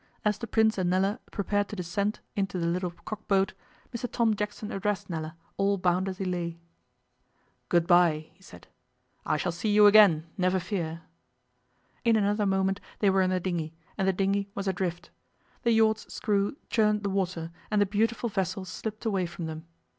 As the Prince and Nella prepared to descend into the little cock boat Mr Tom Jackson addressed Nella, all bound as he lay. 'Good bye,' he said, 'I shall see you again, never fear.'. In another moment they were in the dinghy, and the dinghy was adrift. The yacht's screw churned the water, and the beautiful vessel slipped away from them.